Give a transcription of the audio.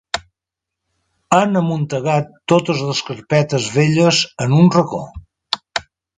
Han amuntegat totes les carpetes velles en un racó.